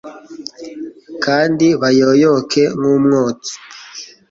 kandi bayoyoke nk'umwotsi